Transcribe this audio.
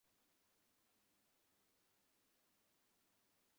তুমি তার স্ত্রীর লোভে পড়েছ।